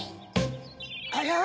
あら？